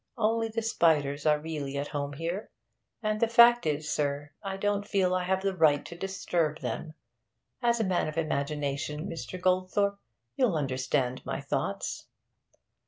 Only the spiders are really at home here, and the fact is, sir, I don't feel I have the right to disturb them. As a man of imagination, Mr. Goldthorpe, you'll understand my thoughts!'